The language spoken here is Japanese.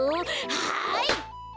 はい！